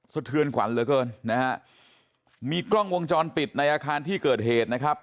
เทือนขวัญเหลือเกินนะฮะมีกล้องวงจรปิดในอาคารที่เกิดเหตุนะครับ